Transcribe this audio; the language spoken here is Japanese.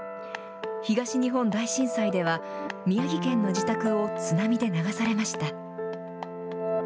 東日本大震災では、宮城県の自宅を津波で流されました。